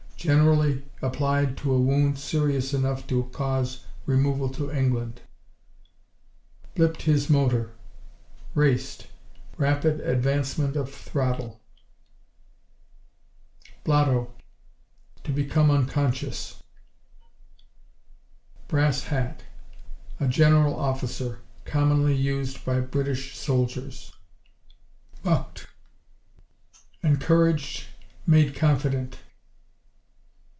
Generally applied to a wound serious enough to cause removal to England. Blipped his motor Raced; rapid advancement of throttle. Blotto To become unconscious. Brass hat A General Officer, commonly used by British soldiers. Bucked Encouraged, made confident.